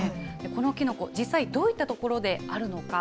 このキノコ、実際、どういった所であるのか。